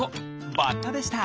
バッタでした。